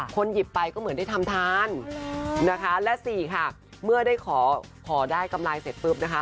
หยิบไปก็เหมือนได้ทำทานนะคะและสี่ค่ะเมื่อได้ขอได้กำไรเสร็จปุ๊บนะคะ